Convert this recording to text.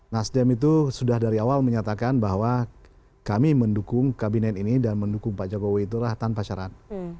nasdem itu sudah dari awal menyatakan bahwa kami mendukung kabinet ini dan mendukung pak jokowi itulah tanpa syarat